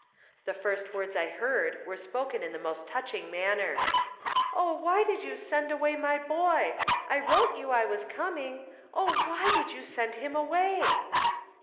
The first words I heard were spoken in the most touching manner "Oh, why did you send away my boy? I wrote you I was coming; Oh, why did you send him away!"